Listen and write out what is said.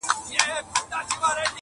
لکه پل غوندي په لار کي پاتېده دي -